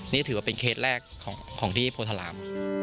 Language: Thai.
นี่ถือว่าเป็นเคสแรกของที่โพธาราม